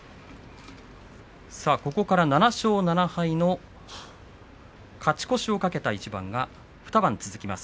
ここから７勝７敗の勝ち越しをかけた一番が２番続きます。